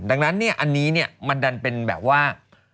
ดังนั้นเนี่ยอันนี้มันดันเป็นแบบว่า